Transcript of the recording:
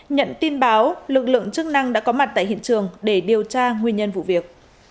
nhận tin báo lực lượng chức năng đã có mặt tại hiện trường để điều tra nguyên nhân vụ việc